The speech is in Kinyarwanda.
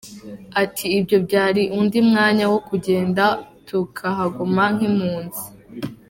Ati “Ibyo byari undi mwanya wo kugenda tukahaguma nk’impunzi.